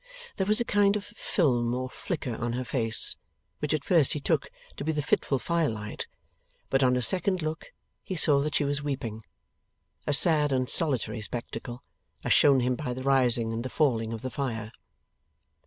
There was a kind of film or flicker on her face, which at first he took to be the fitful firelight; but, on a second look, he saw that she was weeping. A sad and solitary spectacle, as shown him by the rising and the falling of the fire.